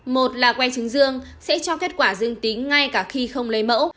một là que trứng dương sẽ cho kết quả dương tính ngay cả khi không lấy mẫu